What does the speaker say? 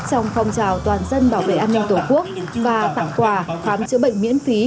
trong phong trào toàn dân bảo vệ an ninh tổ quốc và tặng quà khám chữa bệnh miễn phí